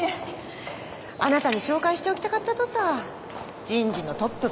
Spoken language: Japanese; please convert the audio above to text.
あなたに紹介しておきたかったとさ人事のトップば。